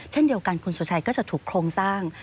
เช่นเดียวกันคุณสุชัยก็จะถูกโครงสร้าง